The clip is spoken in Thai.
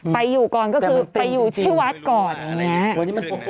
ไปอยู่ก่อนก็คือไปอยู่ที่วัดก่อนอย่างนี้